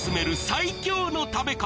最強の食べ方